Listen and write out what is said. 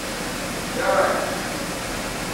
جاٹ